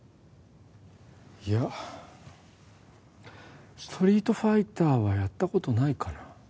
いやストリートファイターはやったことないかな